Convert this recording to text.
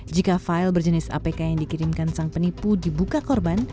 jika file berjenis apk yang dikirimkan sang penipu dibuka korban